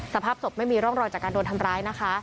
สภาพศพไม่มีร่องรอยจากการโดนทำร้ายนะคะ